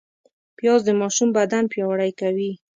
پیاز د ماشوم بدن پیاوړی کوي